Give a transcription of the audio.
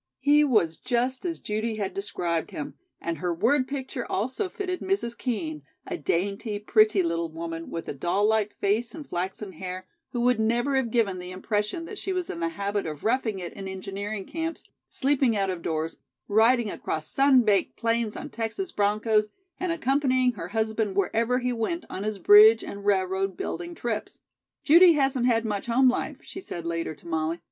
He was just as Judy had described him; and her word picture also fitted Mrs. Kean, a dainty, pretty, little woman, with a doll like face and flaxen hair, who would never have given the impression that she was in the habit of roughing it in engineering camps, sleeping out of doors, riding across sun baked plains on Texas bronchos, and accompanying her husband wherever he went on his bridge and railroad building trips. "Judy hasn't had much home life," she said later to Molly.